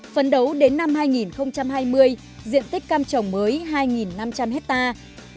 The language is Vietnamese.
phấn đấu đến năm hai nghìn hai mươi diện tích cam trồng mới hai năm trăm linh hectare